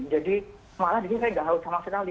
jadi malah di sini saya nggak haus sama sekali